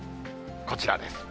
こちらです。